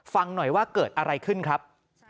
ฟังหน่อยว่าเกิดอะไรขึ้นครับ